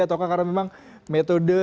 atau karena memang metode